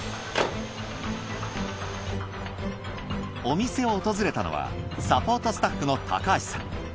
お店を訪れたのはサポートスタッフの高橋さん。